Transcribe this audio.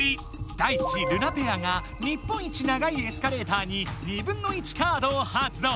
ダイチ・ルナペアが「日本一長いエスカレーター」に「２分の１」カードを発動！